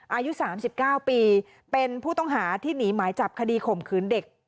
อายุ๓๙ปีเป็นผู้ต้องหาที่หนีหมายจับคดีข่มขืนเด็ก